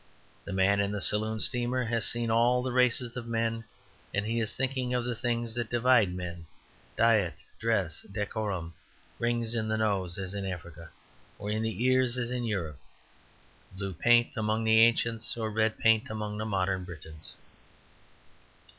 The man in the saloon steamer has seen all the races of men, and he is thinking of the things that divide men diet, dress, decorum, rings in the nose as in Africa, or in the ears as in Europe, blue paint among the ancients, or red paint among the modern Britons.